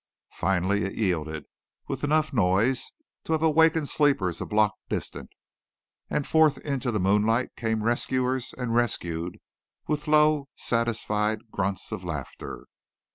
Finally it yielded, with enough noise to have awakened sleepers a block distant, and forth into the moonlight came rescuers and rescued with low, satisfied grunts of laughter.